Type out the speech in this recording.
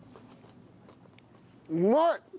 うまい！